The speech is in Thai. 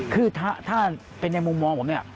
คือถ้าเป็นในมุมมองผมเนี่ย